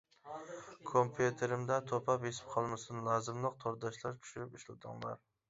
كومپيۇتېرىمدا توپا بېسىپ قالمىسۇن، لازىملىق تورداشلار چۈشۈرۈپ ئىشلىتىڭلار.